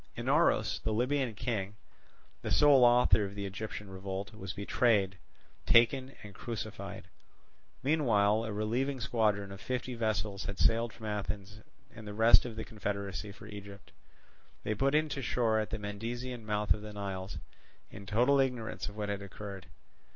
Inaros, the Libyan king, the sole author of the Egyptian revolt, was betrayed, taken, and crucified. Meanwhile a relieving squadron of fifty vessels had sailed from Athens and the rest of the confederacy for Egypt. They put in to shore at the Mendesian mouth of the Nile, in total ignorance of what had occurred.